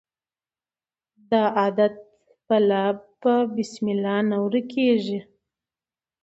د عادت بلا په بسم الله نه ورکیږي.